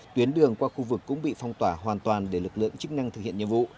tuyến đường qua khu vực cũng bị phong tỏa hoàn toàn để lực lượng chức năng thực hiện nhiệm vụ